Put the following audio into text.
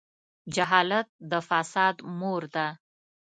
جهالت د فساد مور ده.